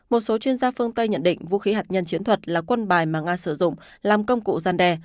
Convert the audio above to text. một số chuyên gia phương tây nhận định vũ khí hạt nhân chiến thuật là quân bài mà nga sử dụng làm công cụ gian đe